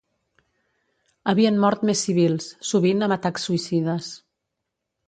Havien mort més civils, sovint amb atacs suïcides.